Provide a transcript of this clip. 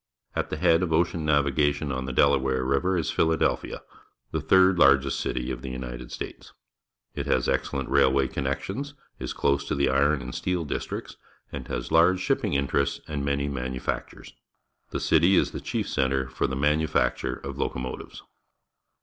At the head of ocean navigation on the Delaware River is Philadelphia, the third city of the United States. It has excellent railway connections, is close to the iron and steel districts, and has large shipping inter ests and many manufactures. The city is the chief centre for the manufacture of locomo tives.